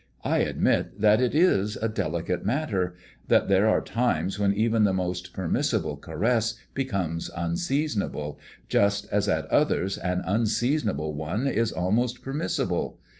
I admit that it is a delicate matter that there are times when even the most permissible caress becomes unseasonable, just as at others an unseasonable one is almost permissible.